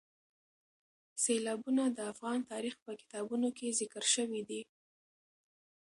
سیلابونه د افغان تاریخ په کتابونو کې ذکر شوي دي.